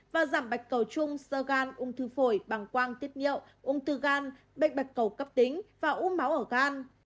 và giảm bạch cầu chung do gan ung tư phổi bằng quang tiết nhiệu ung tư gan bệnh bạch cầu cấp tính và ung máu ở gan